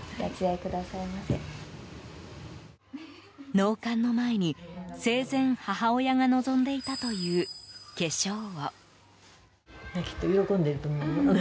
納棺の前に、生前母親が望んでいたという化粧を。